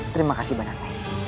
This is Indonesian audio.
terima kasih banyak